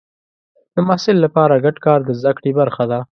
د محصل لپاره ګډ کار د زده کړې برخه ده.